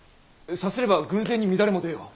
さすれば軍勢に乱れも出よう。